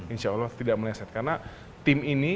insya allah tidak meleset karena tim ini